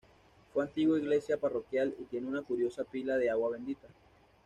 Fue antigua iglesia parroquial y tiene una curiosa pila de agua bendita.